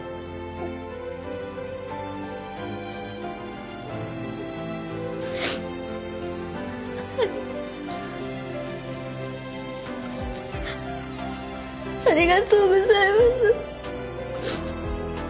ありがとうございます。